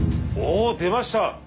おおっ出ました！